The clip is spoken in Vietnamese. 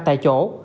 ba tại chỗ